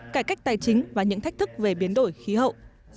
cải cách tài chính và những thách thức về biến đổi khí hậu